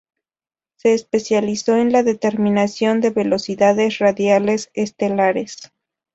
Se especializó en la determinación de velocidades radiales estelares.